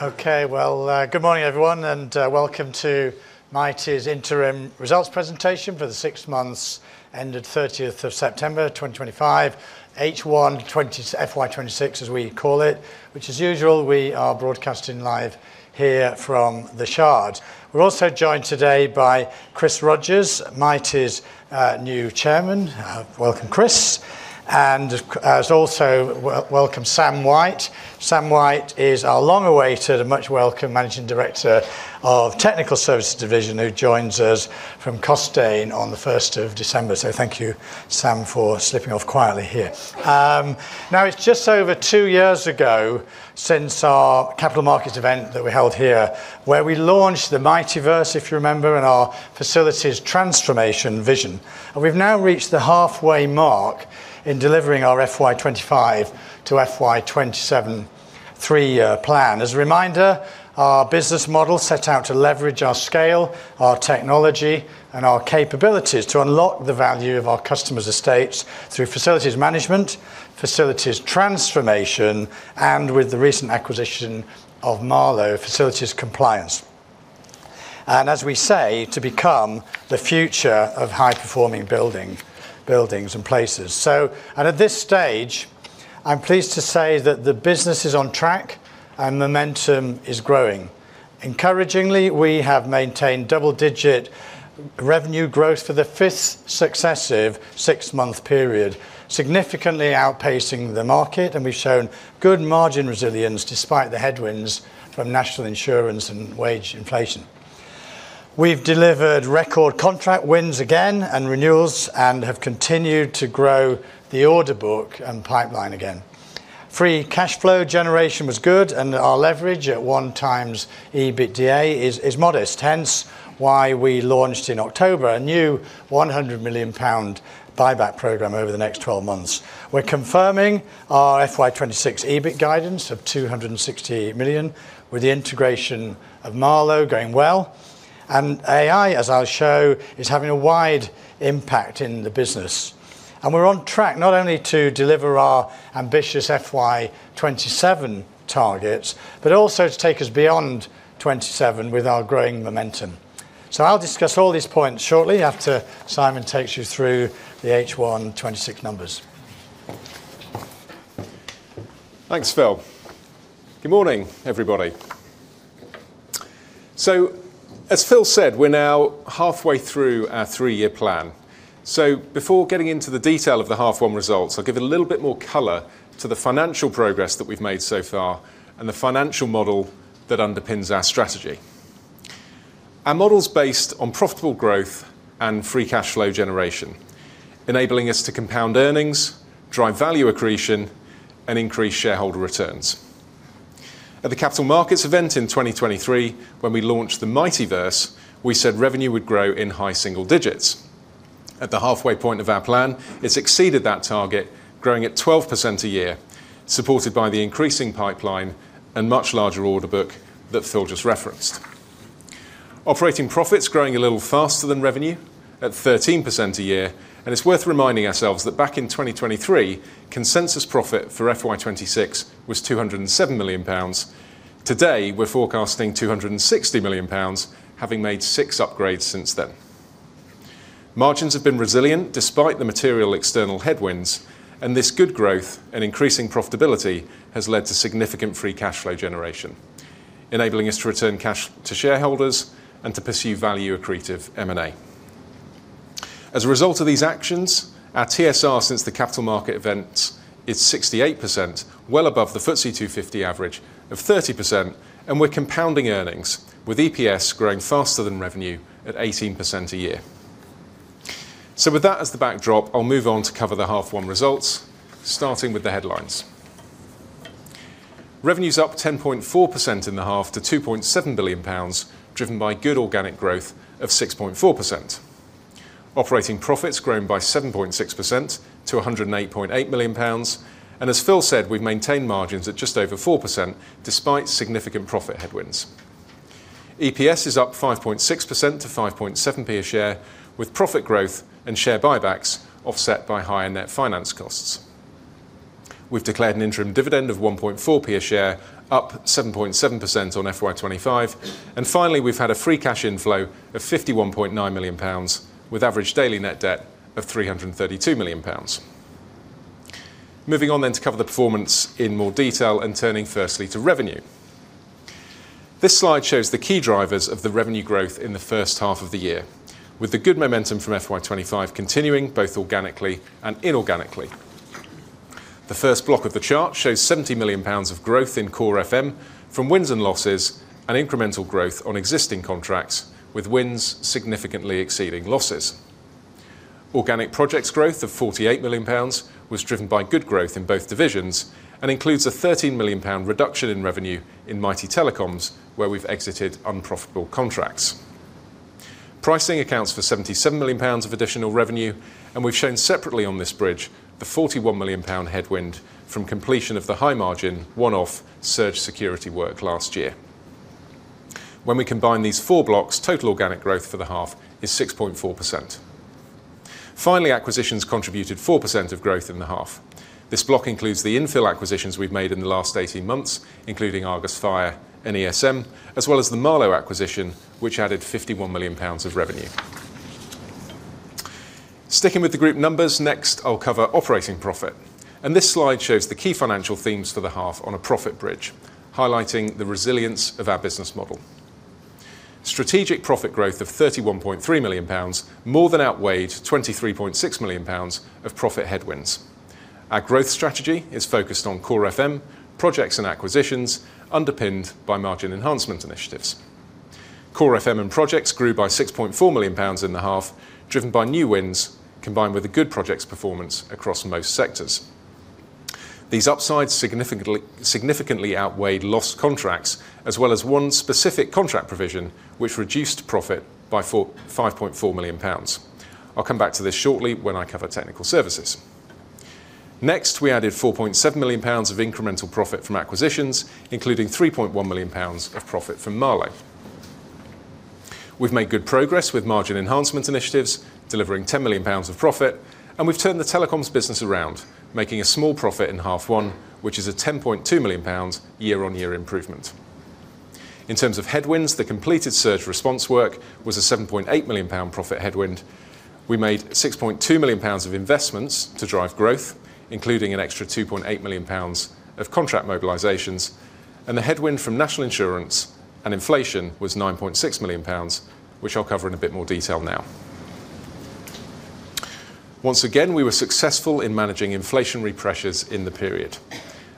Okay, good morning, everyone, and welcome to Mitie's interim results presentation for the six months ended 30th of September 2025, H1 FY 2026, as we call it, which, as usual, we are broadcasting live here from The Shard. We're also joined today by Chris Rogers, Mitie's new chairman. Welcome, Chris. As well, welcome, Sam White. Sam White is our long-awaited and much welcome Managing Director of Technical Services Division, who joins us from Costain on the 1st of December. Thank you, Sam, for slipping off quietly here. Now, it's just over two years ago since our capital markets event that we held here, where we launched the MITIEverse, if you remember, and our facilities transformation vision. We've now reached the halfway mark in delivering our FY 2025 to FY 2027, three year, plan. As a reminder, our business model set out to leverage our scale, our technology, and our capabilities to unlock the value of our customers' estates through facilities management, facilities transformation, and with the recent acquisition of Marlowe, facilities compliance. As we say, to become the future of high-performing buildings and places. At this stage, I'm pleased to say that the business is on track and momentum is growing. Encouragingly, we have maintained double-digit revenue growth for the fifth successive six-month period, significantly outpacing the market, and we've shown good margin resilience despite the headwinds from national insurance and wage inflation. We've delivered record contract wins again and renewals and have continued to grow the order book and pipeline again. Free cash flow generation was good, and our leverage at one times EBITDA is modest, hence why we launched in October a new 100 million pound buyback program over the next 12 months. We are confirming our FY 2026 EBIT guidance of 260 million, with the integration of Marlowe going well. AI, as I will show, is having a wide impact in the business. We are on track not only to deliver our ambitious FY 2027 targets, but also to take us beyond 2027 with our growing momentum. I will discuss all these points shortly after Simon takes you through the H1 2026 numbers. Thanks, Phil. Good morning, everybody. As Phil said, we're now halfway through our three-year plan. Before getting into the detail of the half-one results, I'll give it a little bit more color to the financial progress that we've made so far and the financial model that underpins our strategy. Our model's based on profitable growth and free cash flow generation, enabling us to compound earnings, drive value accretion, and increase shareholder returns. At the capital markets event in 2023, when we launched the MITIEverse, we said revenue would grow in high single digits. At the halfway point of our plan, it's exceeded that target, growing at 12% a year, supported by the increasing pipeline and much larger order book that Phil just referenced. Operating profit's growing a little faster than revenue at 13% a year. It is worth reminding ourselves that back in 2023, consensus profit for FY 2026 was 207 million pounds. Today, we are forecasting 260 million pounds, having made six upgrades since then. Margins have been resilient despite the material external headwinds, and this good growth and increasing profitability has led to significant free cash flow generation, enabling us to return cash to shareholders and to pursue value-accretive M&A. As a result of these actions, our TSR since the capital market event is 68%, well above the FTSE 250 average of 30%, and we are compounding earnings, with EPS growing faster than revenue at 18% a year. With that as the backdrop, I will move on to cover the half-one results, starting with the headlines. Revenues up 10.4% in the half to 2.7 billion pounds, driven by good organic growth of 6.4%. Operating profits grown by 7.6% to 108.8 million pounds. As Phil said, we've maintained margins at just over 4% despite significant profit headwinds. EPS is up 5.6% to 5.7p per share, with profit growth and share buybacks offset by higher net finance costs. We've declared an interim dividend of 1.4p per share, up 7.7% on FY 2025. Finally, we've had a free cash inflow of 51.9 million pounds, with average daily net debt of 332 million pounds. Moving on to cover the performance in more detail and turning firstly to revenue. This slide shows the key drivers of the revenue growth in the first half of the year, with the good momentum from FY 2025 continuing both organically and inorganically. The first block of the chart shows 70 million pounds of growth in core FM from wins and losses and incremental growth on existing contracts, with wins significantly exceeding losses. Organic projects growth of 48 million pounds was driven by good growth in both divisions and includes a 13 million pound reduction in revenue in Mitie Telecoms, where we've exited unprofitable contracts. Pricing accounts for 77 million pounds of additional revenue, and we've shown separately on this bridge the 41 million pound headwind from completion of the high-margin one-off surge security work last year. When we combine these four blocks, total organic growth for the half is 6.4%. Finally, acquisitions contributed 4% of growth in the half. This block includes the infill acquisitions we've made in the last 18 months, including Argus Fire and ESM, as well as the Marlowe acquisition, which added 51 million pounds of revenue. Sticking with the group numbers, next I'll cover operating profit. This slide shows the key financial themes for the half on a profit bridge, highlighting the resilience of our business model. Strategic profit growth of 31.3 million pounds more than outweighed 23.6 million pounds of profit headwinds. Our growth strategy is focused on core FM projects and acquisitions, underpinned by margin enhancement initiatives. Core FM and projects grew by 6.4 million pounds in the half, driven by new wins combined with the good projects performance across most sectors. These upsides significantly outweighed lost contracts, as well as one specific contract provision, which reduced profit by 5.4 million pounds. I'll come back to this shortly when I cover technical services. Next, we added 4.7 million pounds of incremental profit from acquisitions, including 3.1 million pounds of profit from Marlowe. We've made good progress with margin enhancement initiatives, delivering 10 million pounds of profit, and we've turned the telecoms business around, making a small profit in half one, which is a 10.2 million pounds year-on-year improvement. In terms of headwinds, the completed surge response work was a 7.8 million pound profit headwind. We made 6.2 million pounds of investments to drive growth, including an extra 2.8 million pounds of contract mobilizations. The headwind from National Insurance and inflation was 9.6 million pounds, which I'll cover in a bit more detail now. Once again, we were successful in managing inflationary pressures in the period.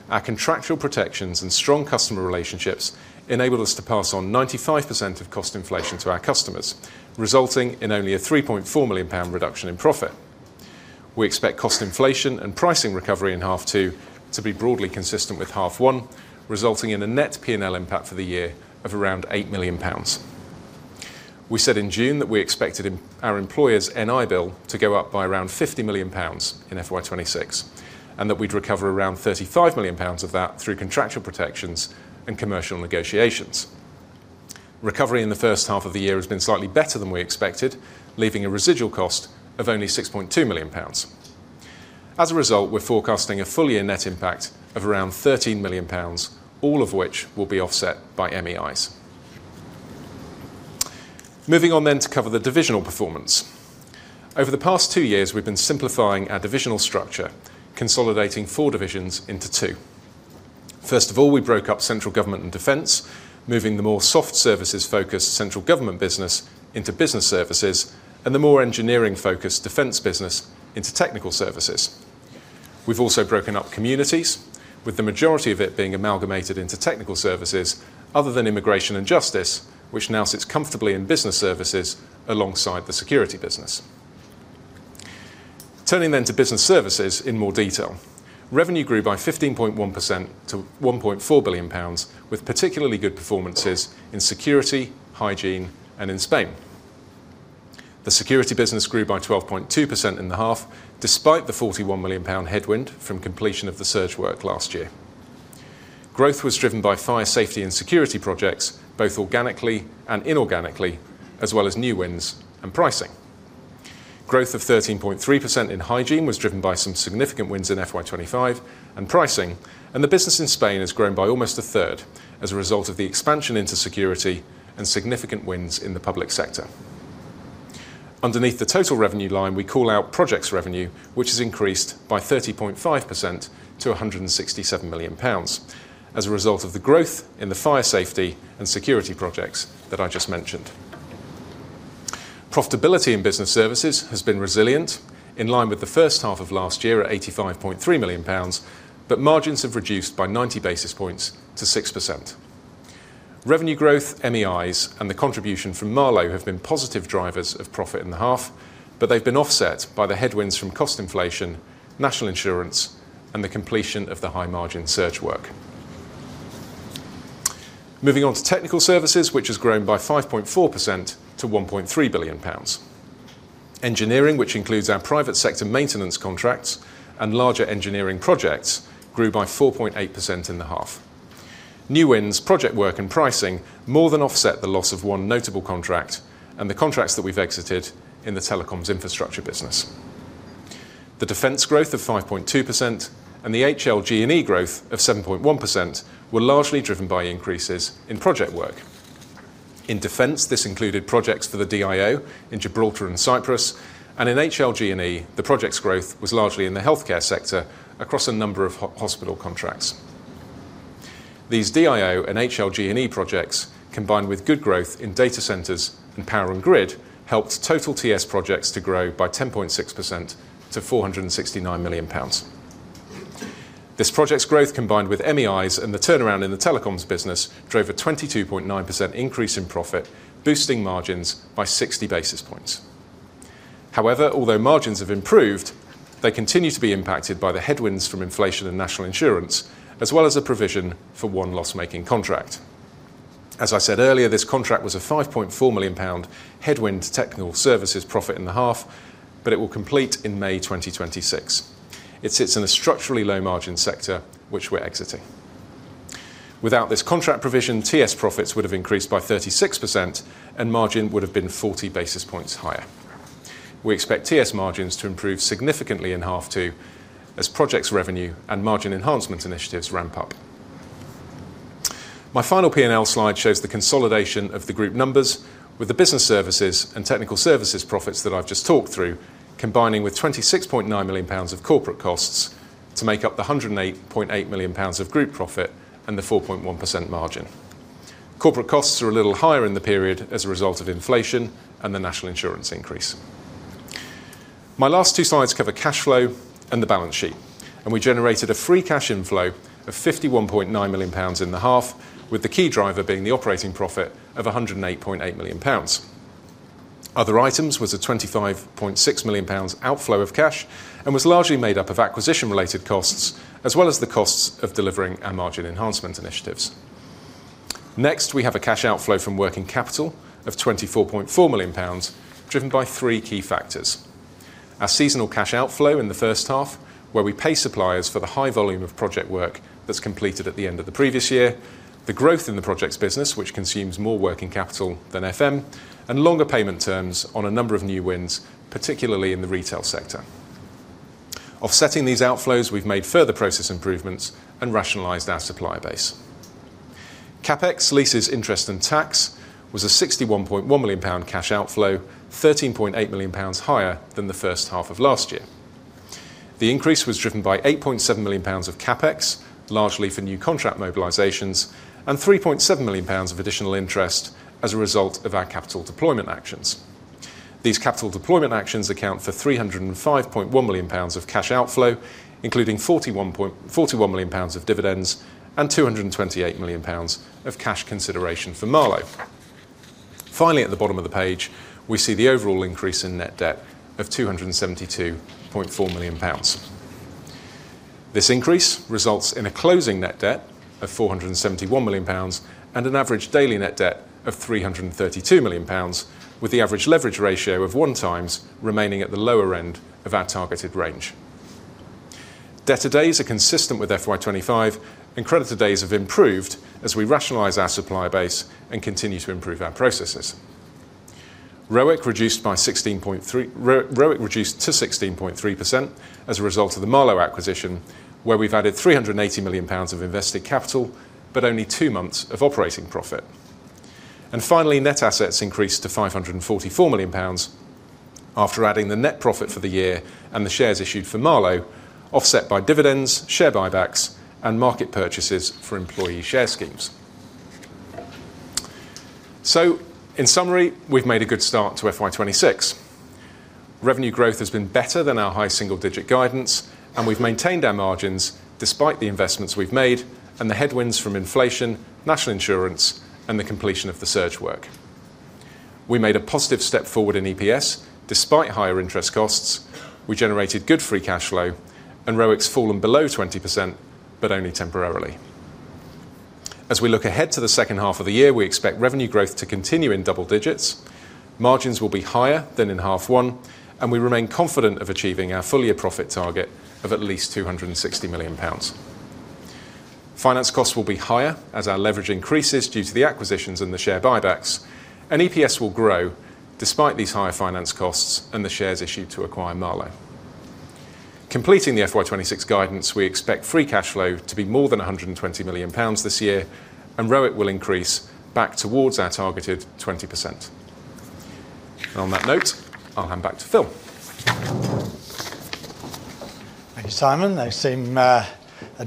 Our contractual protections and strong customer relationships enabled us to pass on 95% of cost inflation to our customers, resulting in only a 3.4 million pound reduction in profit. We expect cost inflation and pricing recovery in half two to be broadly consistent with half one, resulting in a net P&L impact for the year of around 8 million pounds. We said in June that we expected our employers' NI bill to go up by around 50 million pounds in FY 2026, and that we'd recover around 35 million pounds of that through contractual protections and commercial negotiations. Recovery in the first half of the year has been slightly better than we expected, leaving a residual cost of only 6.2 million pounds. As a result, we're forecasting a full year net impact of around 13 million pounds, all of which will be offset by MEIs. Moving on then to cover the divisional performance. Over the past two years, we've been simplifying our divisional structure, consolidating four divisions into two. First of all, we broke up central government and defence, moving the more soft services-focused central government business into business services, and the more engineering-focused defence business into technical services. We've also broken up communities, with the majority of it being amalgamated into technical services other than immigration and justice, which now sits comfortably in business services alongside the security business. Turning then to business services in more detail, revenue grew by 15.1% to 1.4 billion pounds, with particularly good performances in security, hygiene, and in Spain. The security business grew by 12.2% in the half, despite the 41 million pound headwind from completion of the surge work last year. Growth was driven by fire safety and security projects, both organically and inorganically, as well as new wins and pricing. Growth of 13.3% in hygiene was driven by some significant wins in FY 2025 and pricing, and the business in Spain has grown by almost a third as a result of the expansion into security and significant wins in the public sector. Underneath the total revenue line, we call out projects revenue, which has increased by 30.5% to 167 million pounds as a result of the growth in the fire safety and security projects that I just mentioned. Profitability in business services has been resilient, in line with the first half of last year at 85.3 million pounds, but margins have reduced by 90 basis points to 6%. Revenue growth, MEIs, and the contribution from Marlowe have been positive drivers of profit in the half, but they have been offset by the headwinds from cost inflation, national insurance, and the completion of the high-margin surge work. Moving on to technical services, which has grown by 5.4% to 1.3 billion pounds. Engineering, which includes our private sector maintenance contracts and larger engineering projects, grew by 4.8% in the half. New wins, project work, and pricing more than offset the loss of one notable contract and the contracts that we've exited in the telecoms infrastructure business. The defence growth of 5.2% and the HLG&E growth of 7.1% were largely driven by increases in project work. In defence, this included projects for the DIO in Gibraltar and Cyprus, and in HLG&E, the project's growth was largely in the healthcare sector across a number of hospital contracts. These DIO and HLG&E projects, combined with good growth in data centers and power and grid, helped total TS projects to grow by 10.6% to 469 million pounds. This project's growth, combined with MEIs and the turnaround in the telecoms business, drove a 22.9% increase in profit, boosting margins by 60 basis points. However, although margins have improved, they continue to be impacted by the headwinds from inflation and National Insurance, as well as a provision for one loss-making contract. As I said earlier, this contract was a 5.4 million pound headwind to technical services profit in the half, but it will complete in May 2026. It sits in a structurally low-margin sector, which we're exiting. Without this contract provision, TS profits would have increased by 36%, and margin would have been 40 basis points higher. We expect TS margins to improve significantly in half two as projects revenue and margin enhancement initiatives ramp up. My final P&L slide shows the consolidation of the group numbers, with the business services and technical services profits that I've just talked through, combining with 26.9 million pounds of corporate costs to make up the 108.8 million pounds of group profit and the 4.1% margin. Corporate costs are a little higher in the period as a result of inflation and the National Insurance increase. My last two slides cover cash flow and the balance sheet, and we generated a free cash inflow of 51.9 million pounds in the half, with the key driver being the operating profit of 108.8 million pounds. Other items were a 25.6 million pounds outflow of cash and was largely made up of acquisition-related costs, as well as the costs of delivering our margin enhancement initiatives. Next, we have a cash outflow from working capital of 24.4 million pounds, driven by three key factors. Our seasonal cash outflow in the first half, where we pay suppliers for the high volume of project work that's completed at the end of the previous year, the growth in the projects business, which consumes more working capital than FM, and longer payment terms on a number of new wins, particularly in the retail sector. Offsetting these outflows, we've made further process improvements and rationalized our supply base. CapEx, leases, interest, and tax was a 61.1 million pound cash outflow, 13.8 million pounds higher than the first half of last year. The increase was driven by 8.7 million pounds of CapEx, largely for new contract mobilizations, and 3.7 million pounds of additional interest as a result of our capital deployment actions. These capital deployment actions account for 305.1 million pounds of cash outflow, including 41 million pounds of dividends and 228 million pounds of cash consideration for Marlowe. Finally, at the bottom of the page, we see the overall increase in net debt of 272.4 million pounds. This increase results in a closing net debt of 471 million pounds and an average daily net debt of 332 million pounds, with the average leverage ratio of one times remaining at the lower end of our targeted range. Debt to days are consistent with FY 2025, and credit to days have improved as we rationalize our supply base and continue to improve our processes. ROIC reduced by 16.3% as a result of the Marlowe acquisition, where we've added 380 million pounds of invested capital, but only two months of operating profit. Finally, net assets increased to 544 million pounds after adding the net profit for the year and the shares issued for Marlowe, offset by dividends, share buybacks, and market purchases for employee share schemes. In summary, we've made a good start to FY 2026. Revenue growth has been better than our high single-digit guidance, and we've maintained our margins despite the investments we've made and the headwinds from inflation, National Insurance, and the completion of the surge work. We made a positive step forward in EPS despite higher interest costs. We generated good free cash flow, and ROIC's fallen below 20%, but only temporarily. As we look ahead to the second half of the year, we expect revenue growth to continue in double digits. Margins will be higher than in half one, and we remain confident of achieving our full year profit target of at least 260 million pounds. Finance costs will be higher as our leverage increases due to the acquisitions and the share buybacks, and EPS will grow despite these higher finance costs and the shares issued to acquire Marlowe. Completing the FY 2026 guidance, we expect free cash flow to be more than 120 million pounds this year, and ROIC will increase back towards our targeted 20%. On that note, I'll hand back to Phil. Thank you, Simon. They seem a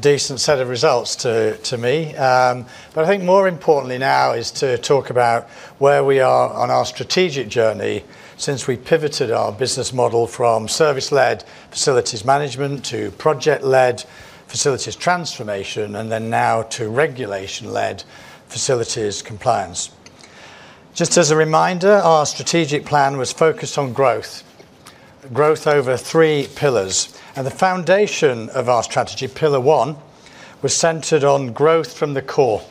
decent set of results to me. I think more importantly now is to talk about where we are on our strategic journey since we pivoted our business model from service-led facilities management to project-led facilities transformation, and now to regulation-led facilities compliance. Just as a reminder, our strategic plan was focused on growth, growth over three pillars, and the foundation of our strategy, Pillar One, was centered on growth from the core,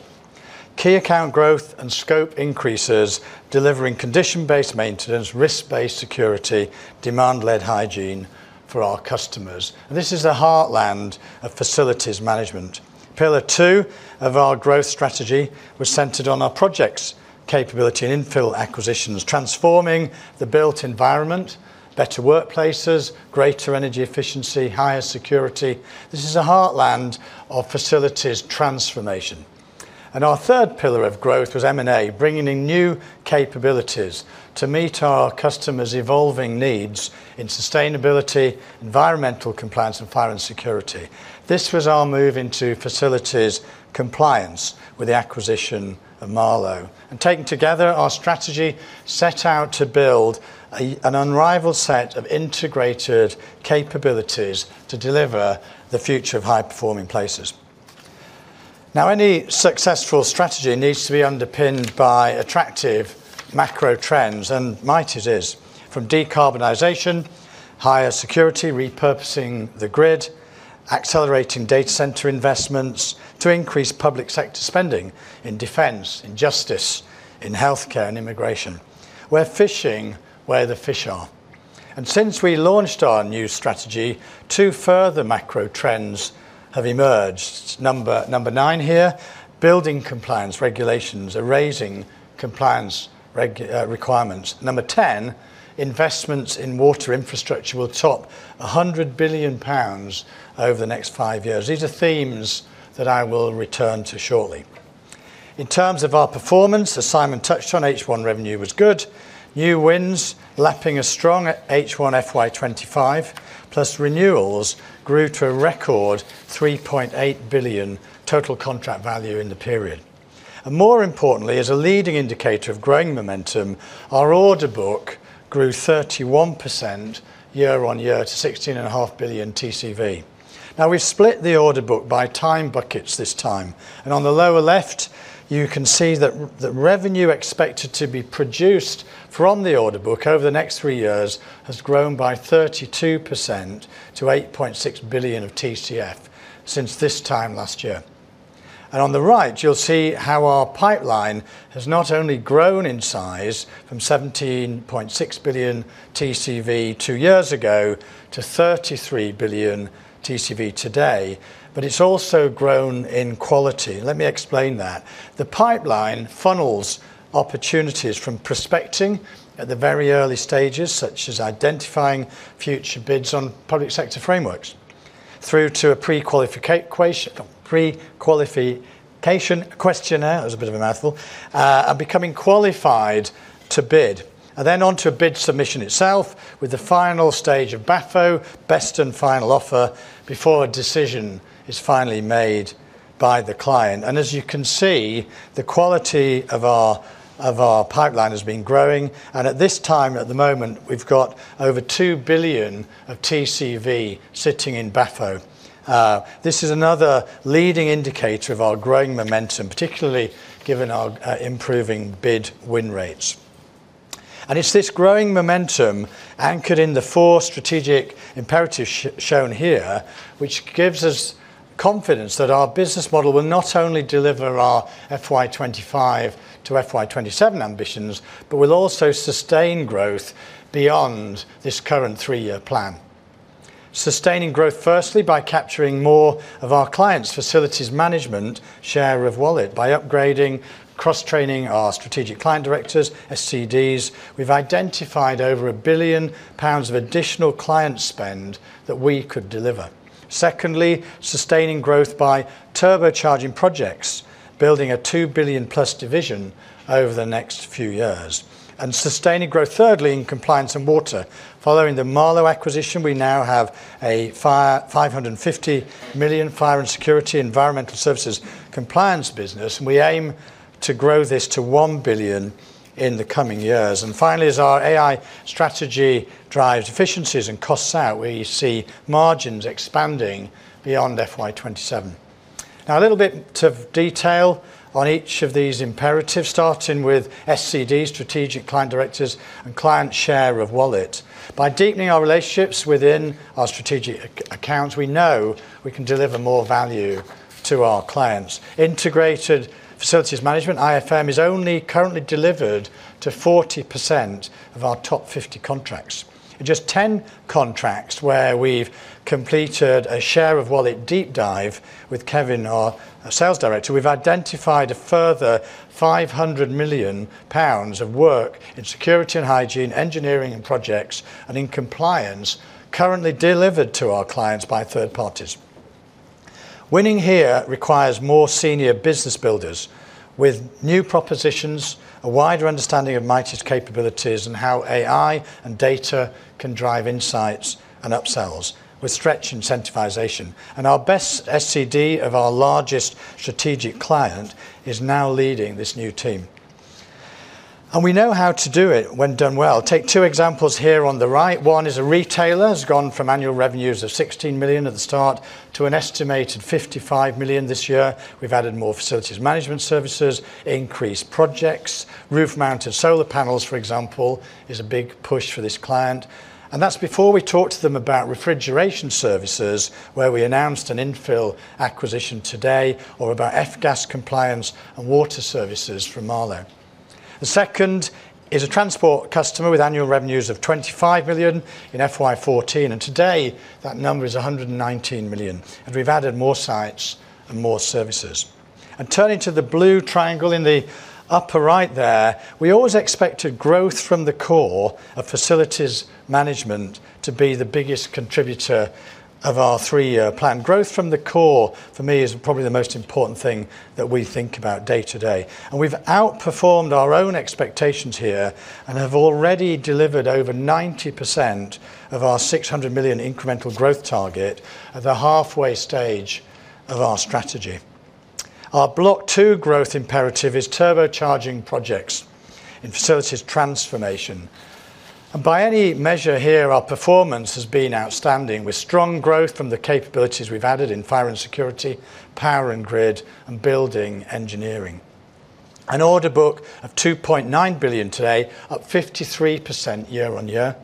key account growth and scope increases, delivering condition-based maintenance, risk-based security, demand-led hygiene for our customers. This is the heartland of facilities management. Pillar Two of our growth strategy was centered on our projects capability and infill acquisitions, transforming the built environment, better workplaces, greater energy efficiency, higher security. This is the heartland of facilities transformation. Our third pillar of growth was M&A, bringing in new capabilities to meet our customers' evolving needs in sustainability, environmental compliance, and fire and security. This was our move into facilities compliance with the acquisition of Marlowe. Taking together, our strategy set out to build an unrivaled set of integrated capabilities to deliver the future of high-performing places. Now, any successful strategy needs to be underpinned by attractive macro trends, and Mitie is, from decarbonization, higher security, repurposing the grid, accelerating data center investments, to increased public sector spending in defense, in justice, in healthcare and immigration. We're fishing where the fish are. Since we launched our new strategy, two further macro trends have emerged. Number nine here, building compliance regulations are raising compliance requirements. Number ten, investments in water infrastructure will top 100 billion pounds over the next five years. These are themes that I will return to shortly. In terms of our performance, as Simon touched on, H1 revenue was good. New wins lapping a strong H1 FY 2025, plus renewals grew to a record 3.8 billion total contract value in the period. More importantly, as a leading indicator of growing momentum, our order book grew 31% year on year to 16.5 billion TCV. Now, we have split the order book by time buckets this time. On the lower left, you can see that revenue expected to be produced from the order book over the next three years has grown by 32% to 8.6 billion of TCF since this time last year. On the right, you'll see how our pipeline has not only grown in size from 17.6 billion TCV two years ago to 33 billion TCV today, but it's also grown in quality. Let me explain that. The pipeline funnels opportunities from prospecting at the very early stages, such as identifying future bids on public sector frameworks, through to a pre-qualification questionnaire, that was a bit of a mouthful, and becoming qualified to bid. Then onto a bid submission itself, with the final stage of BAFO, best and final offer, before a decision is finally made by the client. As you can see, the quality of our pipeline has been growing. At this time, at the moment, we've got over 2 billion of TCV sitting in BAFO. This is another leading indicator of our growing momentum, particularly given our improving bid win rates. This growing momentum anchored in the four strategic imperatives shown here gives us confidence that our business model will not only deliver our FY 2025 to FY 2027 ambitions, but will also sustain growth beyond this current three-year plan. Sustaining growth, firstly, by capturing more of our clients' facilities management share of wallet, by upgrading, cross-training our strategic client directors, SCDs. We've identified over 1 billion pounds of additional client spend that we could deliver. Secondly, sustaining growth by turbocharging projects, building a 2 billion-plus division over the next few years. Sustaining growth, thirdly, in compliance and water. Following the Marlowe acquisition, we now have a 550 million fire and security environmental services compliance business, and we aim to grow this to 1 billion in the coming years. As our AI strategy drives efficiencies and costs out, we see margins expanding beyond FY 2027. Now, a little bit of detail on each of these imperatives, starting with SCDs, strategic client directors, and client share of wallet. By deepening our relationships within our strategic accounts, we know we can deliver more value to our clients. Integrated facilities management, IFM, is only currently delivered to 40% of our top 50 contracts. In just 10 contracts where we've completed a share of wallet deep dive with Kevin, our sales director, we've identified a further 500 million pounds of work in security and hygiene, engineering and projects, and in compliance, currently delivered to our clients by third parties. Winning here requires more senior business builders with new propositions, a wider understanding of Mitie's capabilities, and how AI and data can drive insights and upsells with stretch incentivisation. Our best SCD of our largest strategic client is now leading this new team. We know how to do it when done well. Take two examples here on the right. One is a retailer has gone from annual revenues of 16 million at the start to an estimated 55 million this year. We've added more facilities management services, increased projects. Roof-mounted solar panels, for example, is a big push for this client. That's before we talked to them about refrigeration services, where we announced an infill acquisition today, or about FGAS compliance and water services from Marlowe. The second is a transport customer with annual revenues of 25 million in FY 2014. Today, that number is 119 million. We have added more sites and more services. Turning to the blue triangle in the upper right there, we always expected growth from the core of facilities management to be the biggest contributor of our three-year plan. Growth from the core, for me, is probably the most important thing that we think about day to day. We have outperformed our own expectations here and have already delivered over 90% of our 600 million incremental growth target at the halfway stage of our strategy. Our block two growth imperative is turbocharging projects in facilities transformation. By any measure here, our performance has been outstanding, with strong growth from the capabilities we have added in fire and security, power and grid, and building engineering. An order book of 2.9 billion today, up 53% year on year.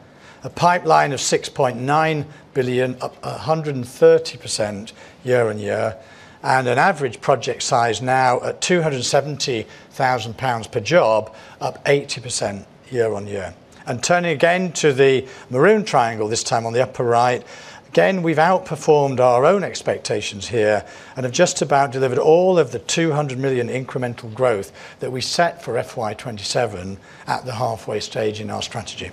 A pipeline of 6.9 billion, up 130% year on year. An average project size is now at 270,000 pounds per job, up 80% year on year. Turning again to the maroon triangle, this time on the upper right, we have outperformed our own expectations here and have just about delivered all of the 200 million incremental growth that we set for FY 2027 at the halfway stage in our strategy.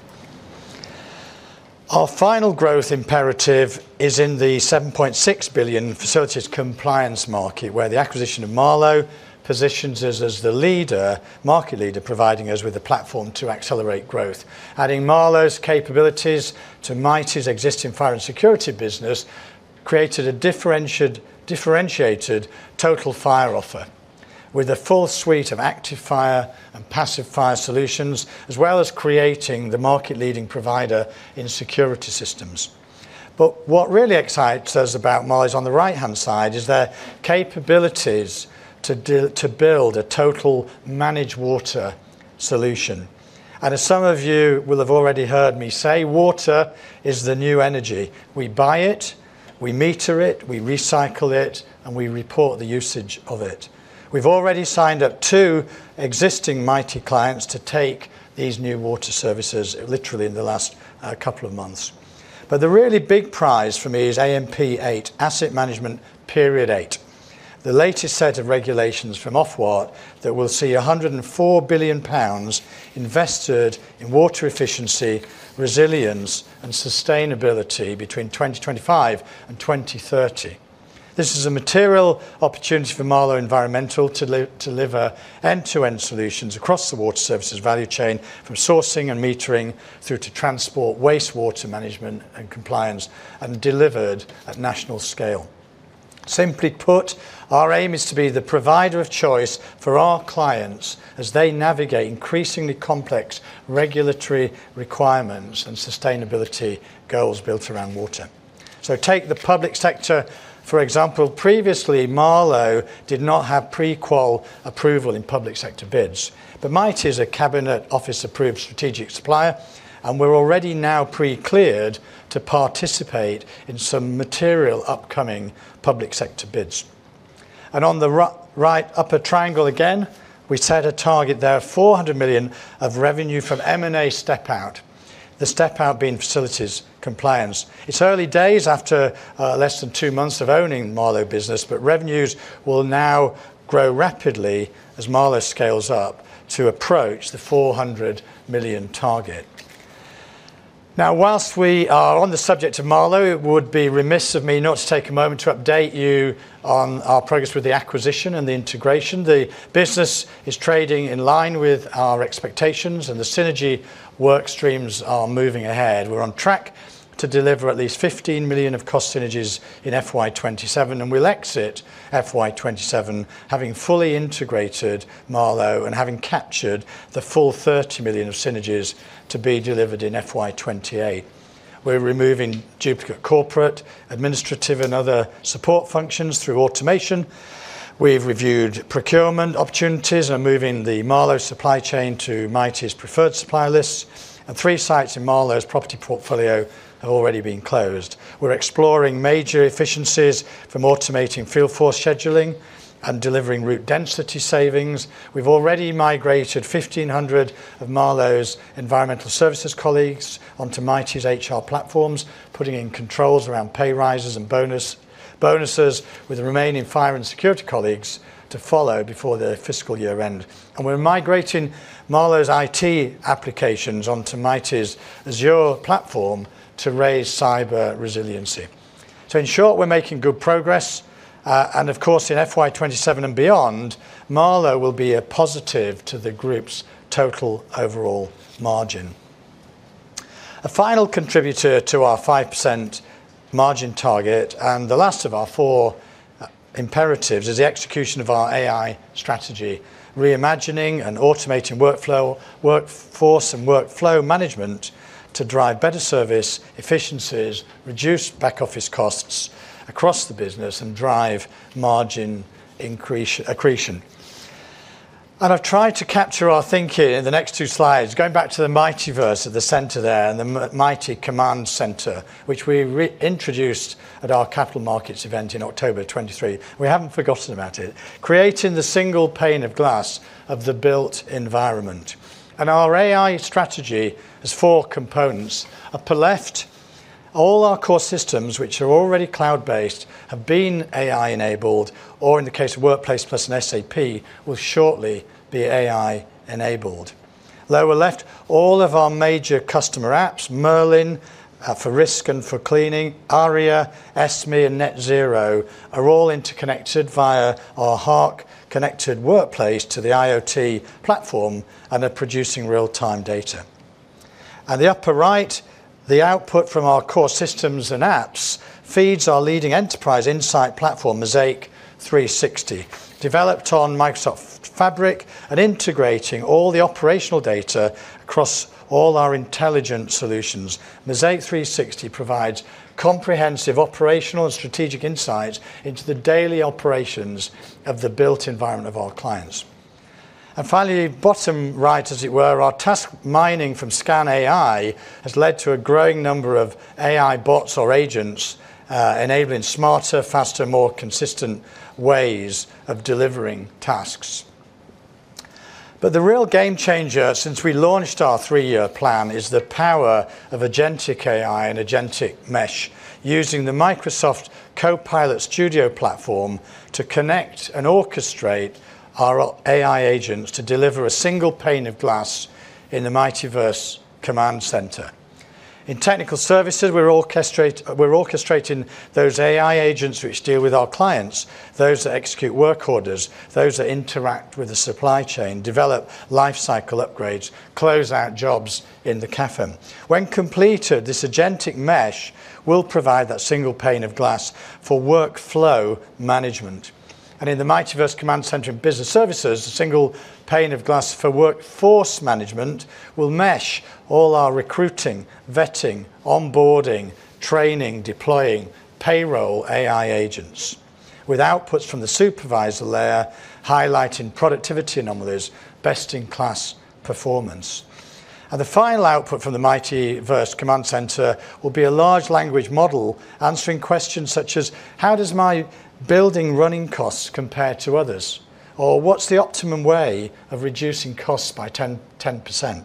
Our final growth imperative is in the 7.6 billion facilities compliance market, where the acquisition of Marlowe positions us as the market leader, providing us with a platform to accelerate growth. Adding Marlowe's capabilities to Mitie's existing fire and security business created a differentiated total fire offer, with a full suite of active fire and passive fire solutions, as well as creating the market-leading provider in security systems. What really excites us about Marlowe on the right-hand side is their capabilities to build a total managed water solution. As some of you will have already heard me say, water is the new energy. We buy it, we meter it, we recycle it, and we report the usage of it. We have already signed up two existing Mitie clients to take these new water services literally in the last couple of months. The really big prize for me is AMP8, Asset Management Period 8, the latest set of regulations from Ofwat that will see 104 billion pounds invested in water efficiency, resilience, and sustainability between 2025 and 2030. This is a material opportunity for Marlowe Environmental to deliver end-to-end solutions across the water services value chain, from sourcing and metering through to transport, wastewater management, and compliance, and delivered at national scale. Simply put, our aim is to be the provider of choice for our clients as they navigate increasingly complex regulatory requirements and sustainability goals built around water. Take the public sector, for example. Previously, Marlowe did not have pre-qual approval in public sector bids. Mitie is a Cabinet Office-approved strategic supplier, and we are already now pre-cleared to participate in some material upcoming public sector bids. On the right upper triangle again, we set a target there of 400 million of revenue from M&A step-out, the step-out being facilities compliance. It is early days after less than two months of owning the Marlowe business, but revenues will now grow rapidly as Marlowe scales up to approach the 400 million target. Now, whilst we are on the subject of Marlowe, it would be remiss of me not to take a moment to update you on our progress with the acquisition and the integration. The business is trading in line with our expectations, and the synergy workstreams are moving ahead. We're on track to deliver at least 15 million of cost synergies in FY 2027, and we'll exit FY 2027 having fully integrated Marlowe and having captured the full 30 million of synergies to be delivered in FY 2028. We're removing duplicate corporate, administrative, and other support functions through automation. We've reviewed procurement opportunities and are moving the Marlowe supply chain to Mitie's preferred supply list. Three sites in Marlowe's property portfolio have already been closed. We're exploring major efficiencies from automating field force scheduling and delivering route density savings. We've already migrated 1,500 of Marlowe's environmental services colleagues onto Mitie's HR platforms, putting in controls around pay rises and bonuses with the remaining fire and security colleagues to follow before the fiscal year end. We're migrating Marlowe's IT applications onto Mitie's Azure platform to raise cyber resiliency. In short, we're making good progress. Of course, in FY 2027 and beyond, Marlowe will be a positive to the group's total overall margin. A final contributor to our 5% margin target, and the last of our four imperatives, is the execution of our AI strategy, reimagining and automating workforce and workflow management to drive better service efficiencies, reduce back-office costs across the business, and drive margin accretion. I have tried to capture our thinking in the next two slides, going back to the MITIEverse at the center there and the Mitie Command Centre, which we introduced at our capital markets event in October 2023. We have not forgotten about it, creating the single pane of glass of the built environment. Our AI strategy has four components. Upper left, all our core systems, which are already cloud-based, have been AI-enabled, or in the case of Workplace Plus and SAP, will shortly be AI-enabled. Lower left, all of our major customer apps, Merlin for risk and for cleaning, Aria, Esme, and Net Zero, are all interconnected via our HARK connected workplace to the IoT platform and are producing real-time data. In the upper right, the output from our core systems and apps feeds our leading enterprise insight platform, Mosaic 360, developed on Microsoft Fabric and integrating all the operational data across all our intelligence solutions. Mosaic 360 provides comprehensive operational and strategic insights into the daily operations of the built environment of our clients. Finally, bottom right, as it were, our task mining from ScanAI has led to a growing number of AI bots or agents, enabling smarter, faster, more consistent ways of delivering tasks. The real game changer, since we launched our three-year plan, is the power of Agentic AI and Agentic Mesh, using the Microsoft Copilot Studio platform to connect and orchestrate our AI agents to deliver a single pane of glass in the MITIEverse Command Centre. In technical services, we're orchestrating those AI agents which deal with our clients, those that execute work orders, those that interact with the supply chain, develop lifecycle upgrades, close out jobs in the cafe. When completed, this agentic mesh will provide that single pane of glass for workflow management. In the MITIEverse Command Centre in business services, a single pane of glass for workforce management will mesh all our recruiting, vetting, onboarding, training, deploying, payroll AI agents, with outputs from the supervisor layer highlighting productivity anomalies, best-in-class performance. The final output from the MITIEverse Command Centre will be a large language model answering questions such as, how does my building running costs compare to others? Or what's the optimum way of reducing costs by 10%?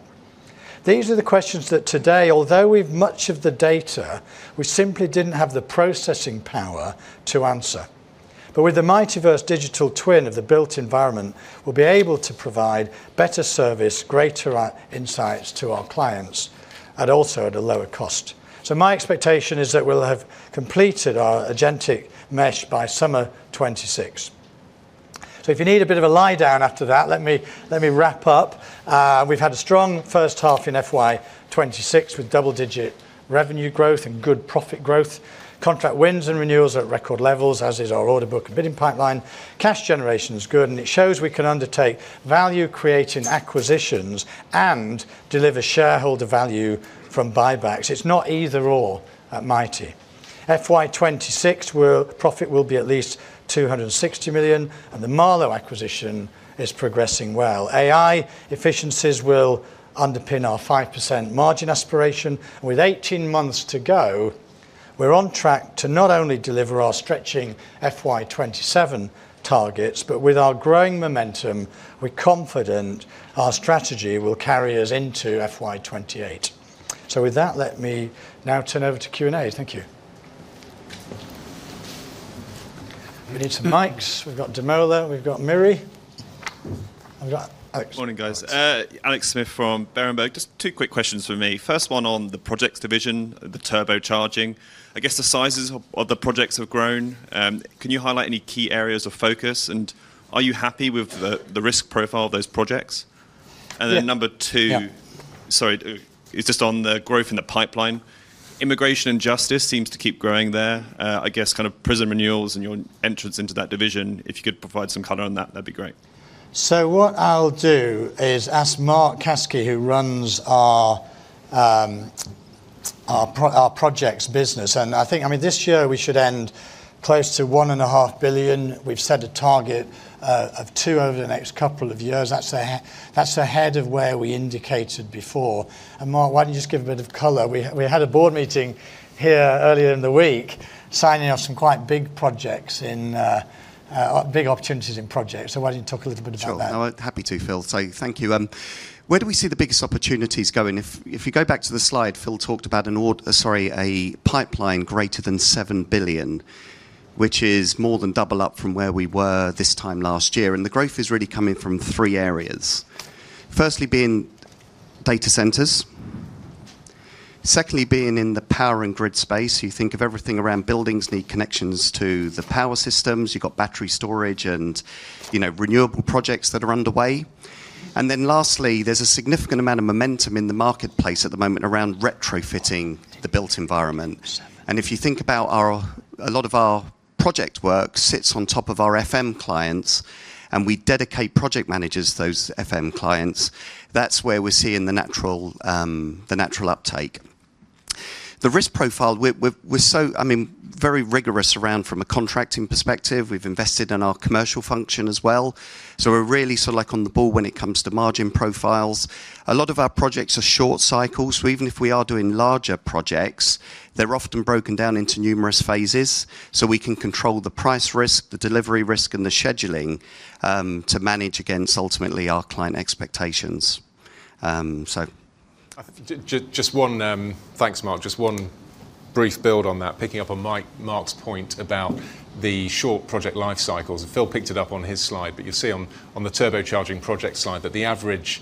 These are the questions that today, although we have much of the data, we simply did not have the processing power to answer. With the MITIEverse digital twin of the built environment, we will be able to provide better service, greater insights to our clients, and also at a lower cost. My expectation is that we will have completed our agentic mesh by summer 2026. If you need a bit of a lie down after that, let me wrap up. We have had a strong first half in FY 2026 with double-digit revenue growth and good profit growth. Contract wins and renewals are at record levels, as is our order book and bidding pipeline. Cash generation is good, and it shows we can undertake value-creating acquisitions and deliver shareholder value from buybacks. It's not either/or at Mitie. FY 2026, profit will be at least 260 million, and the Marlowe acquisition is progressing well. AI efficiencies will underpin our 5% margin aspiration. With 18 months to go, we're on track to not only deliver our stretching FY 2027 targets, but with our growing momentum, we're confident our strategy will carry us into FY 2028. With that, let me now turn over to Q&A. Thank you. We need some mics. We've got DeMola. We've got Miri. Alex. Morning, guys. Alex Smith from Berenberg. Just two quick questions for me. First one on the projects division, the turbocharging. I guess the sizes of the projects have grown. Can you highlight any key areas of focus? And are you happy with the risk profile of those projects? Number two, sorry, it's just on the growth in the pipeline. Immigration and justice seems to keep growing there. I guess kind of prison renewals and your entrance into that division, if you could provide some color on that, that'd be great. What I'll do is ask Mark Caskey, who runs our projects business. I think this year we should end close to 1.5 billion. We've set a target of two over the next couple of years. That's ahead of where we indicated before. Mark, why don't you just give a bit of color? We had a board meeting here earlier in the week signing off some quite big projects in big opportunities in projects. Why don't you talk a little bit about that? Sure. Happy to, Phil. Thank you. Where do we see the biggest opportunities going? If you go back to the slide, Phil talked about a pipeline greater than 7 billion, which is more than double up from where we were this time last year. The growth is really coming from three areas. Firstly, being data centers. Secondly, being in the power and grid space. You think of everything around buildings need connections to the power systems. You have battery storage and renewable projects that are underway. Lastly, there is a significant amount of momentum in the marketplace at the moment around retrofitting the built environment. If you think about our, a lot of our project work sits on top of our FM clients, and we dedicate project managers to those FM clients. That is where we are seeing the natural uptake. The risk profile, we are, I mean, very rigorous around from a contracting perspective. We've invested in our commercial function as well. So we're really sort of like on the ball when it comes to margin profiles. A lot of our projects are short cycles. Even if we are doing larger projects, they're often broken down into numerous phases. We can control the price risk, the delivery risk, and the scheduling to manage against ultimately our client expectations. Just one, thanks, Mark. Just one brief build on that, picking up on Mark's point about the short project life cycles. Phil picked it up on his slide, but you'll see on the turbocharging project slide that the average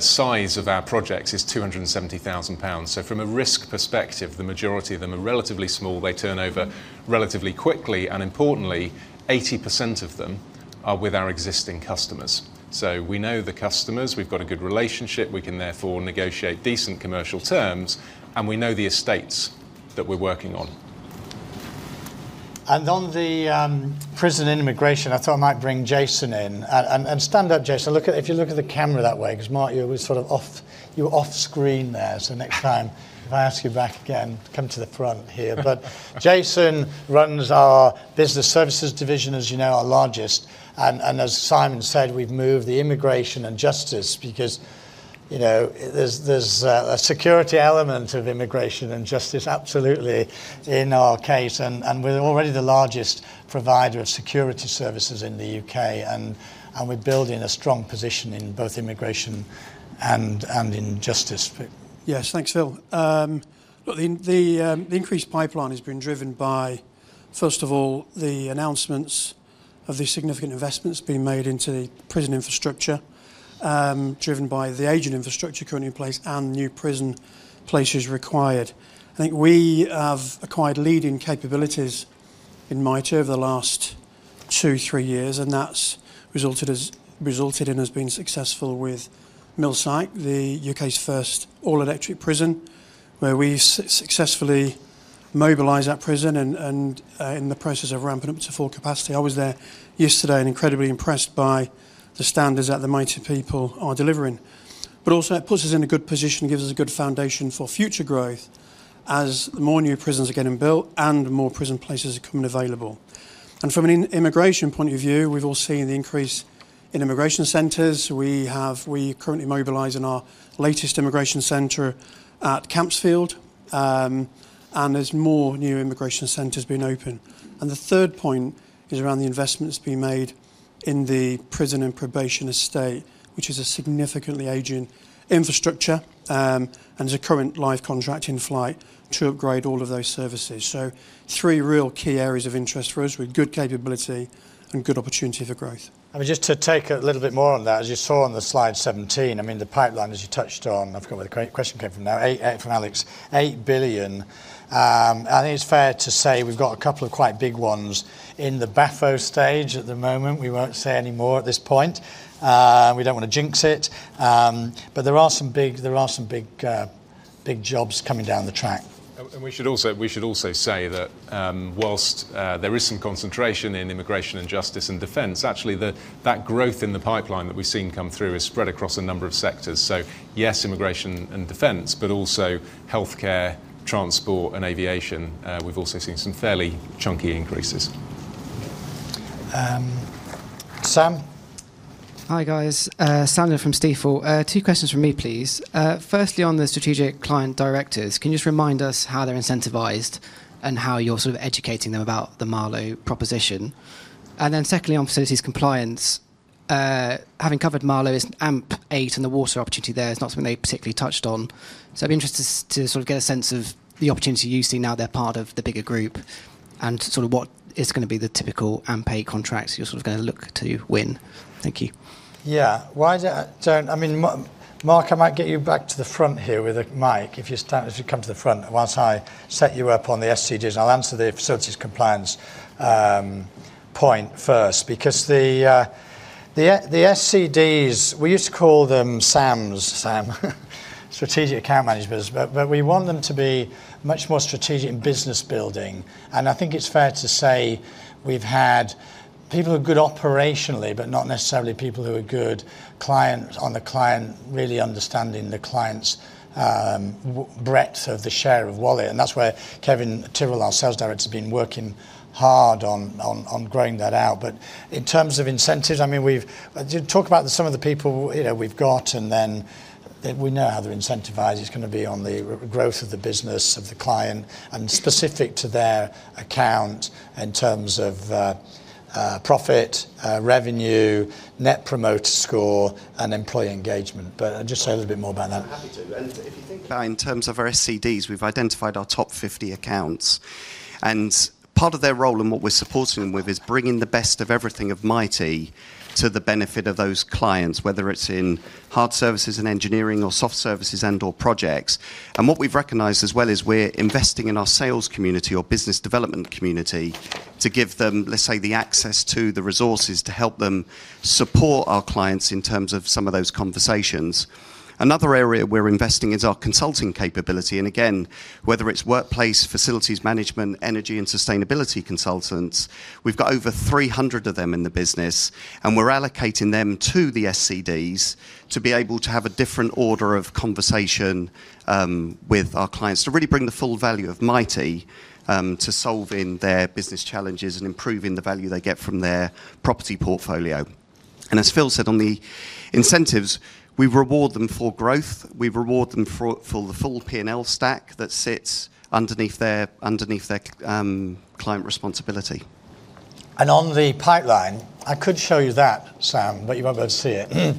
size of our projects is 270,000 pounds. From a risk perspective, the majority of them are relatively small. They turn over relatively quickly. Importantly, 80% of them are with our existing customers. We know the customers. We've got a good relationship. We can therefore negotiate decent commercial terms. We know the estates that we're working on. On the prison and immigration, I thought I might bring Jason in. Stand up, Jason. If you look at the camera that way, because Mark, you were sort of off, you were off screen there. Next time, if I ask you back again, come to the front here. Jason runs our business services division, as you know, our largest. As Simon said, we've moved the immigration and justice because there's a security element of immigration and justice, absolutely, in our case. We're already the largest provider of security services in the U.K. We're building a strong position in both immigration and in justice. Yes, thanks, Phil. Look, the increased pipeline has been driven by, first of all, the announcements of the significant investments being made into the prison infrastructure, driven by the aging infrastructure currently in place and new prison places required. I think we have acquired leading capabilities in Mitie over the last two, three years, and that's resulted in us being successful with Millsike, the U.K.'s first all-electric prison, where we successfully mobilize that prison and are in the process of ramping up to full capacity. I was there yesterday and incredibly impressed by the standards that the Mitie people are delivering. It puts us in a good position, gives us a good foundation for future growth as more new prisons are getting built and more prison places are coming available. From an immigration point of view, we've all seen the increase in immigration centers. We currently mobilize in our latest immigration centre at Campsfield, and there are more new immigration centres being opened. The third point is around the investments being made in the prison and probation estate, which is a significantly aging infrastructure and is a current live contract in flight to upgrade all of those services. Three real key areas of interest for us with good capability and good opportunity for growth. I mean, just to take a little bit more on that, as you saw on slide 17, I mean, the pipeline, as you touched on, I've got where the question came from now, from Alex, 8 billion. I think it's fair to say we've got a couple of quite big ones in the BAFO stage at the moment. We will not say any more at this point. We do not want to jinx it. There are some big jobs coming down the track. We should also say that whilst there is some concentration in immigration and justice and defence, actually, that growth in the pipeline that we've seen come through is spread across a number of sectors. Yes, immigration and defence, but also healthcare, transport, and aviation. We've also seen some fairly chunky increases. Sam. Hi, guys. Sandra from Stifel. Two questions from me, please. Firstly, on the strategic client directors, can you just remind us how they're incentivized and how you're sort of educating them about the Marlowe proposition? Secondly, on facilities compliance, having covered Marlowe, AMP8 and the water opportunity there is not something they particularly touched on. I'd be interested to sort of get a sense of the opportunity you see now they're part of the bigger group and sort of what is going to be the typical AMP8 contracts you're sort of going to look to win. Thank you. Yeah. I mean, Mark, I might get you back to the front here with a mic if you come to the front whilst I set you up on the SCDs. I'll answer the facilities compliance point first because the SCDs, we used to call them SAM, Sam, strategic account management, but we want them to be much more strategic in business building. I think it's fair to say we've had people who are good operationally, but not necessarily people who are good on the client, really understanding the client's breadth of the share of wallet. That is where Kevin Tyrrell, our Sales Director, has been working hard on growing that out. In terms of incentives, I mean, we've talked about some of the people we've got, and then we know how they're incentivized. It's going to be on the growth of the business of the client and specific to their account in terms of profit, revenue, net promoter score, and employee engagement. I'll just say a little bit more about that. I'm happy to. If you think in terms of our SCDs, we've identified our top 50 accounts. Part of their role and what we're supporting them with is bringing the best of everything of Mitie to the benefit of those clients, whether it's in hard services and engineering or soft services and/or projects. What we've recognized as well is we're investing in our sales community or business development community to give them, let's say, the access to the resources to help them support our clients in terms of some of those conversations. Another area we're investing is our consulting capability. Again, whether it's workplace, facilities management, energy, and sustainability consultants, we've got over 300 of them in the business, and we're allocating them to the SCDs to be able to have a different order of conversation with our clients to really bring the full value of Mitie to solving their business challenges and improving the value they get from their property portfolio. As Phil said, on the incentives, we reward them for growth. We reward them for the full P&L stack that sits underneath their client responsibility. On the pipeline, I could show you that, Sam, but you won't be able to see it.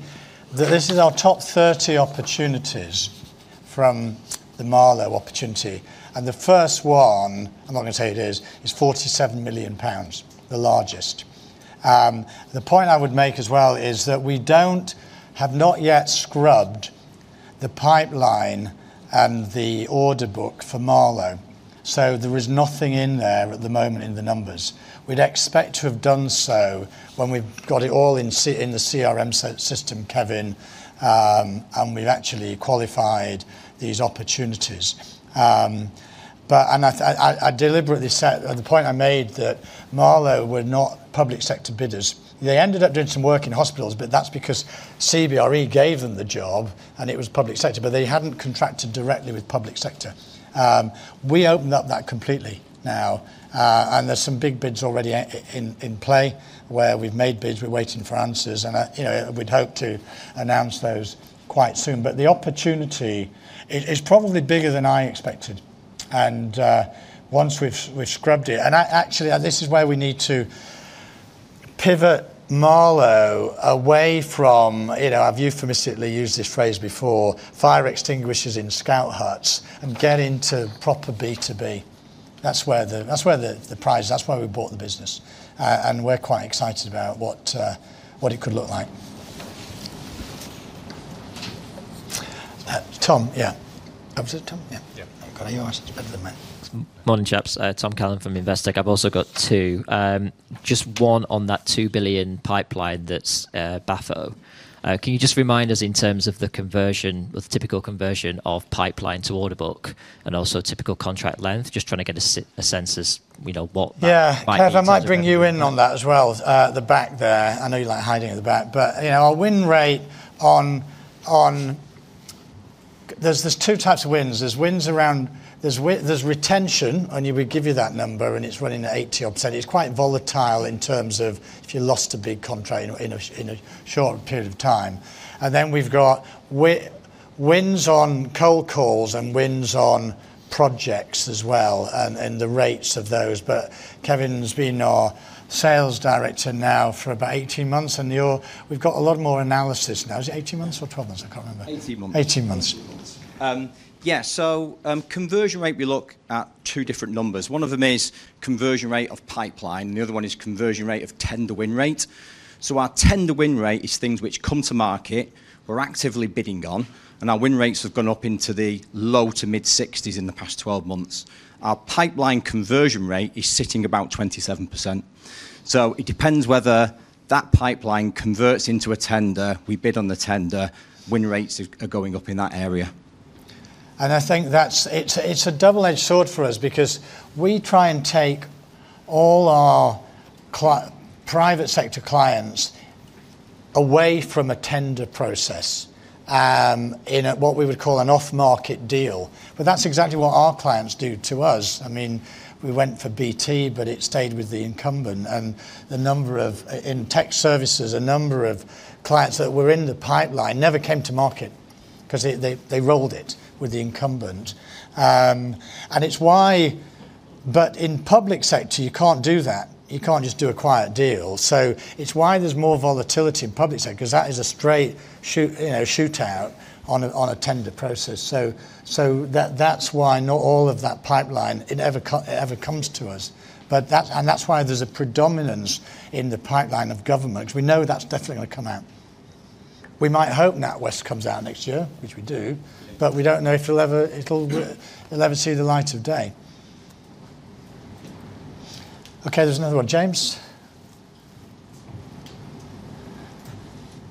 This is our top 30 opportunities from the Marlowe opportunity. The first one, I'm not going to tell you who it is, is 47 million pounds, the largest. The point I would make as well is that we have not yet scrubbed the pipeline and the order book for Marlowe. There is nothing in there at the moment in the numbers. We'd expect to have done so when we've got it all in the CRM system, Kevin, and we've actually qualified these opportunities. I deliberately said, the point I made that Marlowe were not public sector bidders. They ended up doing some work in hospitals, but that's because CBRE gave them the job and it was public sector, but they hadn't contracted directly with public sector. We opened up that completely now, and there's some big bids already in play where we've made bids. We're waiting for answers. We'd hope to announce those quite soon. The opportunity is probably bigger than I expected. Once we've scrubbed it, and actually, this is where we need to pivot Marlowe away from, I've euphemistically used this phrase before, fire extinguishers in scout huts, and get into proper B2B. That's where the prize is. That's why we bought the business. We're quite excited about what it could look like. Tom, yeah. That was it, Tom? Yeah. Yeah. I've got yours. Better than mine. Morning, chaps. Tom Callan from Investec. I've also got two. Just one on that 2 billion pipeline that's BAFO. Can you just remind us in terms of the typical conversion of pipeline to order book and also typical contract length? Just trying to get a sense as what might be the best. Yeah. I might bring you in on that as well. The back there. I know you like hiding at the back. But our win rate on there's two types of wins. There's wins around there's retention, and we give you that number, and it's running at 80%. It's quite volatile in terms of if you lost a big contract in a short period of time. Then we've got wins on cold calls and wins on projects as well and the rates of those. Kevin's been our sales director now for about 18 months, and we've got a lot more analysis now. Is it 18 months or 12 months? I can't remember. 18 months. 18 months. Yeah. So conversion rate, we look at two different numbers. One of them is conversion rate of pipeline. The other one is conversion rate of tender win rate. Our tender win rate is things which come to market, we're actively bidding on, and our win rates have gone up into the low to mid-60% in the past 12 months. Our pipeline conversion rate is sitting about 27%. It depends whether that pipeline converts into a tender, we bid on the tender, win rates are going up in that area. I think it's a double-edged sword for us because we try and take all our private sector clients away from a tender process in what we would call an off-market deal. That's exactly what our clients do to us. I mean, we went for BT, but it stayed with the incumbent. The number of in tech services, a number of clients that were in the pipeline never came to market because they rolled it with the incumbent. It is why, but in public sector, you cannot do that. You cannot just do a quiet deal. It is why there is more volatility in public sector because that is a straight shootout on a tender process. That is why not all of that pipeline ever comes to us. That is why there is a predominance in the pipeline of government because we know that is definitely going to come out. We might hope NatWest comes out next year, which we do, but we do not know if it will ever see the light of day. Okay, there is another one. James.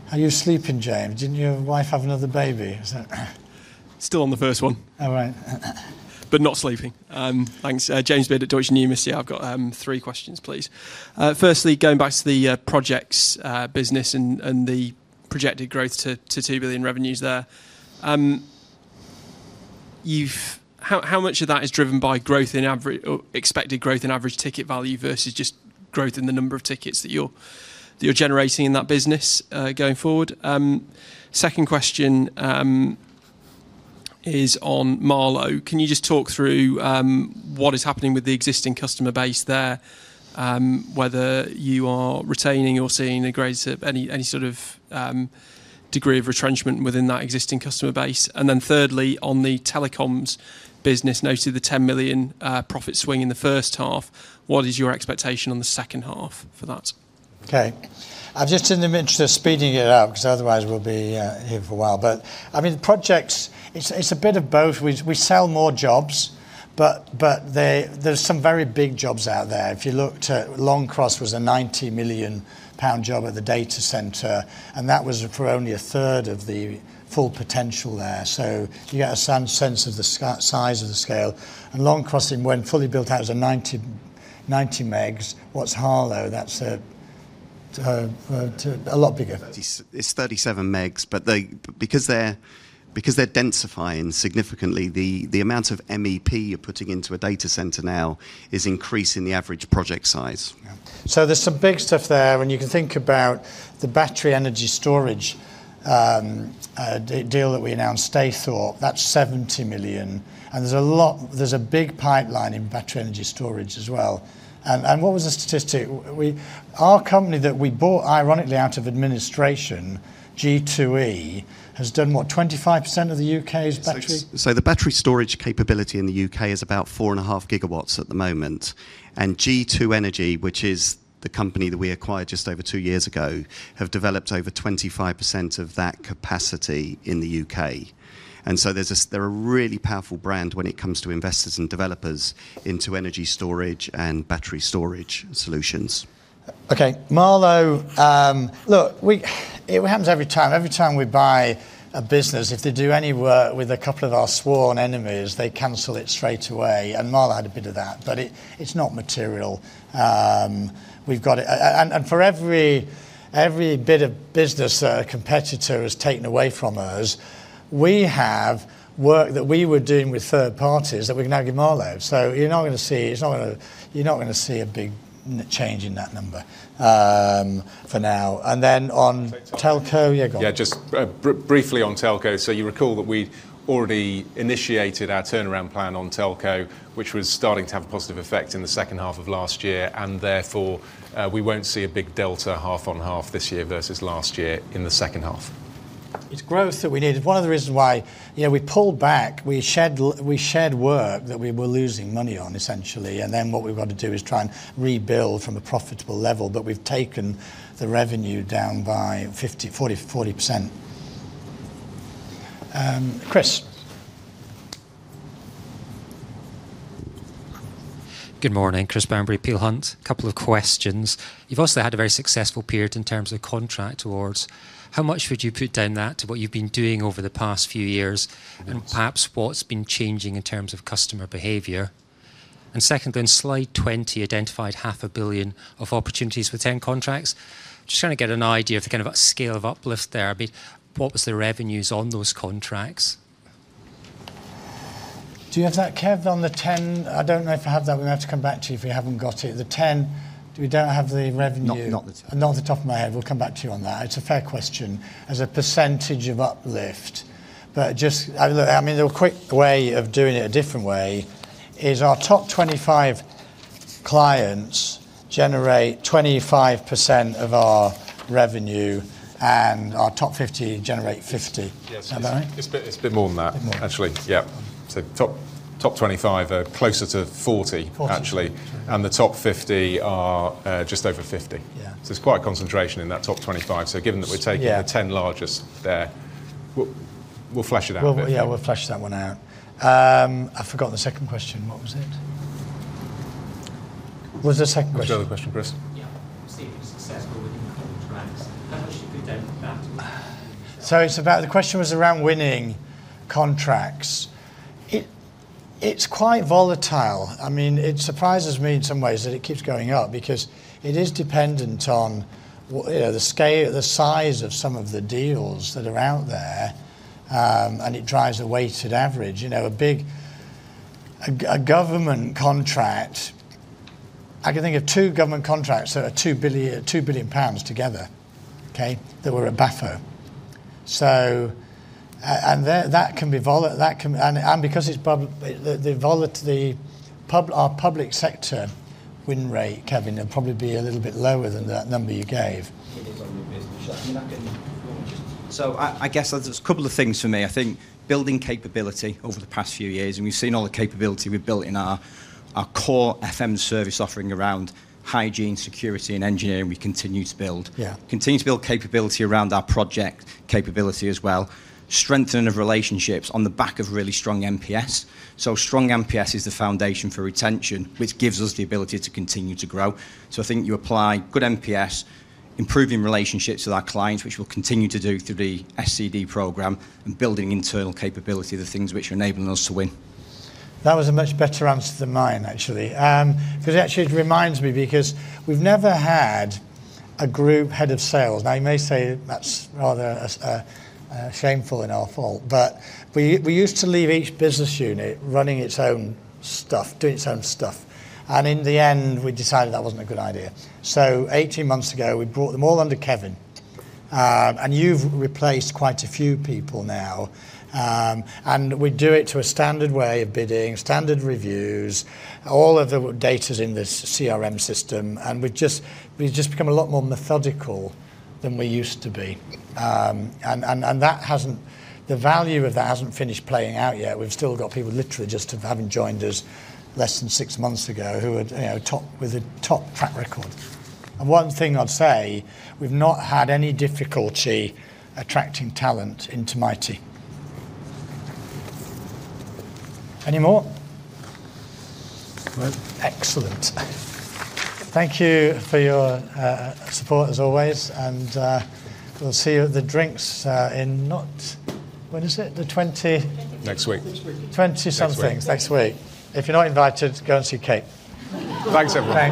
How are you sleeping, James? Did not your wife have another baby? Still on the first one. All right. But not sleeping. Thanks. James Beard at Deutsche Numis. Yeah, I've got three questions, please. Firstly, going back to the projects business and the projected growth to 2 billion revenues there. How much of that is driven by expected growth in average ticket value versus just growth in the number of tickets that you're generating in that business going forward? Second question is on Marlowe. Can you just talk through what is happening with the existing customer base there, whether you are retaining or seeing any sort of degree of retrenchment within that existing customer base? Thirdly, on the telecoms business, noted the 10 million profit swing in the first half, what is your expectation on the second half for that? Okay. I'm just in the midst of speeding it up because otherwise we'll be here for a while. I mean, projects, it's a bit of both. We sell more jobs, but there's some very big jobs out there. If you looked at Longcross, it was a 90 million pound job at the data center, and that was for only a third of the full potential there. You get a sense of the size of the scale. Longcross, when fully built out, is 90 megs. What's Marlowe? That's a lot bigger. It's 37 megs, but because they're densifying significantly, the amount of MEP you're putting into a data center now is increasing the average project size. There's some big stuff there, and you can think about the battery energy storage deal that we announced, Staythorpe. That's 70 million. There's a big pipeline in battery energy storage as well. What was the statistic? Our company that we bought, ironically, out of administration, G2E, has done what, 25% of the UK's battery? The battery storage capability in the U.K. is about 4.5 GW at the moment. G2 Energy, which is the company that we acquired just over two years ago, have developed over 25% of that capacity in the U.K. They are a really powerful brand when it comes to investors and developers into energy storage and battery storage solutions. Marlowe, look, it happens every time. Every time we buy a business, if they do any work with a couple of our sworn enemies, they cancel it straight away. Marlowe had a bit of that, but it is not material. For every bit of business that a competitor has taken away from us, we have work that we were doing with third parties that we can now give Marlowe. You're not going to see, it's not going to, you're not going to see a big change in that number for now. On Telco, you're going, Yeah, just briefly on Telco. You recall that we already initiated our turnaround plan on Telco, which was starting to have a positive effect in the second half of last year. Therefore, we won't see a big delta half on half this year versus last year in the second half. It's growth that we needed. One of the reasons why we pulled back, we shed work that we were losing money on, essentially. What we've got to do is try and rebuild from a profitable level. We've taken the revenue down by 40%. Chris. Good morning. Chris Bamberry, Peel Hunt. A couple of questions. You've also had a very successful period in terms of contract awards. How much would you put down that to what you've been doing over the past few years? Perhaps what's been changing in terms of customer behavior? On slide 20, identified 0.5 billion of opportunities with 10 contracts. Just trying to get an idea of the kind of scale of uplift there. I mean, what was the revenues on those contracts? Do you have that, Kev, on the 10? I don't know if I have that. We may have to come back to you if we haven't got it. The 10, we don't have the revenue. Not the top. Not the top of my head. We'll come back to you on that. It's a fair question. As a percentage of uplift. Just, I mean, the quick way of doing it a different way is our top 25 clients generate 25% of our revenue, and our top 50 generate 50. Is that right? It's a bit more than that, actually. Yeah. Top 25 are closer to 40, actually. And the top 50 are just over 50. It's quite a concentration in that top 25. Given that we're taking the 10 largest there, we'll flesh it out. Yeah, we'll flesh that one out. I forgot the second question. What was it? What was the second question? What was the other question, Chris? Yeah. You seem successful within contracts. How much did you put down for that? The question was around winning contracts. It's quite volatile. I mean, it surprises me in some ways that it keeps going up because it is dependent on the size of some of the deals that are out there, and it drives a weighted average. A government contract, I can think of two government contracts that are 2 billion pounds together, okay, that were at BAFO. That can be volatile. Because it's the public sector win rate, Kevin, it'll probably be a little bit lower than that number you gave. It is on your business. I mean, I can just. I guess there's a couple of things for me. I think building capability over the past few years, and we've seen all the capability we've built in our core FM service offering around hygiene, security, and engineering. We continue to build. Continue to build capability around our project capability as well. Strengthening of relationships on the back of really strong MPS. Strong MPS is the foundation for retention, which gives us the ability to continue to grow. I think you apply good MPS, improving relationships with our clients, which we'll continue to do through the SCD program, and building internal capability, the things which are enabling us to win. That was a much better answer than mine, actually. Because it actually reminds me because we've never had a group head of sales. Now, you may say that's rather shameful and our fault, but we used to leave each business unit running its own stuff, doing its own stuff. In the end, we decided that wasn't a good idea. Eighteen months ago, we brought them all under Kevin. You've replaced quite a few people now. We do it to a standard way of bidding, standard reviews, all of the data's in this CRM system. We've just become a lot more methodical than we used to be. The value of that hasn't finished playing out yet. We've still got people literally just having joined us less than six months ago who were with a top track record. One thing I'd say, we've not had any difficulty attracting talent into Mitie. Any more? Excellent. Thank you for your support, as always. We'll see you at the drinks in, not, when is it? The 20. Next week. 20 something next week. If you're not invited, go and see Kate. Thanks, everyone.